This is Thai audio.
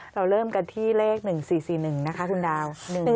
เราเริ่มกันที่เลข๑๔๔๑นะคะคุณดาว